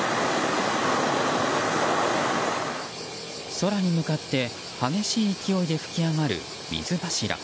空に向かって激しい勢いで噴き上がる水柱。